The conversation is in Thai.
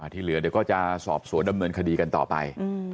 ที่เหลือเดี๋ยวก็จะสอบสวนดำเนินคดีกันต่อไป